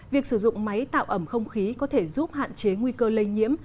việc sử dụng máy tạo ẩm không khí có thể giúp hạn chế nguy cơ lây nhiễm